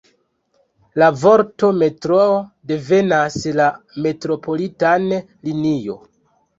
La vorto "Metroo" devenas la Metropolitan-Linio.